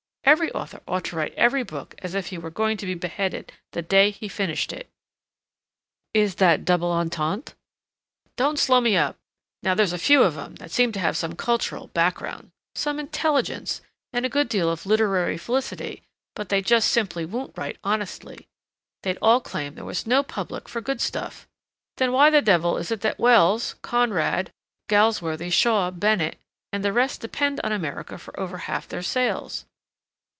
Every author ought to write every book as if he were going to be beheaded the day he finished it." "Is that double entente?" "Don't slow me up! Now there's a few of 'em that seem to have some cultural background, some intelligence and a good deal of literary felicity but they just simply won't write honestly; they'd all claim there was no public for good stuff. Then why the devil is it that Wells, Conrad, Galsworthy, Shaw, Bennett, and the rest depend on America for over half their sales?"